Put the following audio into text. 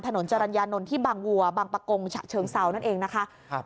ถนนจรรยานนท์ที่บางวัวบางประกงฉะเชิงเซานั่นเองนะคะครับ